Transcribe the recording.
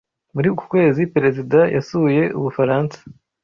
Muri uku kwezi, Perezida yasuye Ubufaransa.